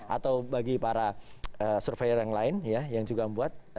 atau bagi para surveyor yang lain ya yang juga membuat